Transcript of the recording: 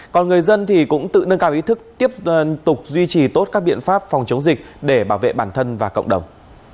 còn người dân thì cũng tự nâng cao ý thức tiếp tục duy trì tốt các biện pháp phòng chống dịch để bảo vệ bản thân và cộng đồng